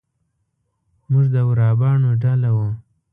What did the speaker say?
موږ د ورا باڼو ډله وو.